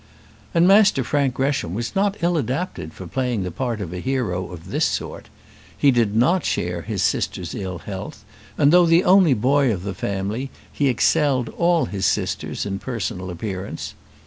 And Master Frank Gresham was not ill adapted for playing the part of a hero of this sort. He did not share his sisters' ill health, and though the only boy of the family, he excelled all his sisters in personal appearance.